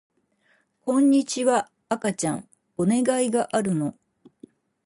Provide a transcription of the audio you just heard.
こんにちは赤ちゃんお願いがあるの